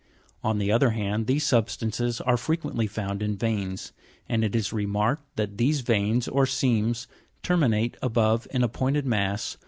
On the other hand, these substances are frequently found in veins ; and it is remarked that these veins or seams ter minate above in a pointed mass (a, Jig.